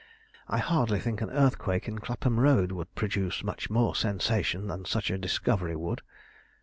I hardly think an earthquake in Clapham Road would produce much more sensation than such a discovery would.